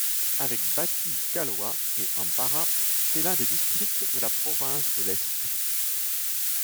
Avec Batticaloa et Ampara, c'est l'un des districts de la province de l'Est.